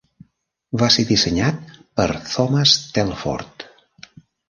Va ser dissenyat per Thomas Telford.